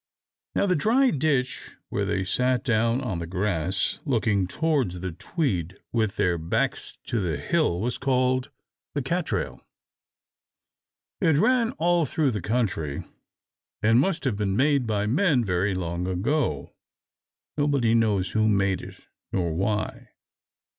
Now the dry ditch, where they sat down on the grass, looking towards the Tweed, with their backs to the hill, was called the Catrail. It ran all through that country, and must have been made by men very long ago. Nobody knows who made it, nor why.